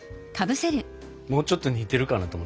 もうちょっと似てるかなと思った。